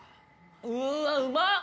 うわうまっ！